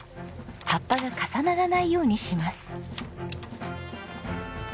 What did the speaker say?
葉っぱが重ならないようにします。